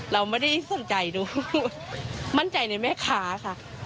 เราไม่ได้สนใจดูมั่นใจในแม่ค้าค่ะ